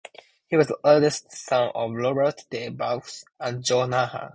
He was the eldest son of Robert de Vaux and Johanna.